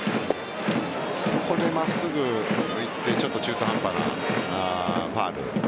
そこで真っすぐいってちょっと中途半端なファウル。